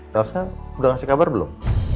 tau gak udah ngasih kabar belum